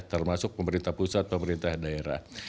termasuk pemerintah pusat pemerintah daerah